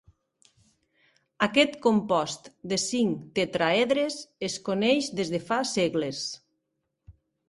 Aquest compost de cinc tetràedres es coneix des de fa segles.